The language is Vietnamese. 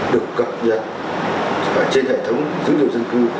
được cập nhật trên hệ thống dữ liệu dân cư